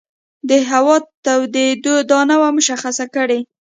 د هوا تودېدو دا نه وه مشخصه کړې.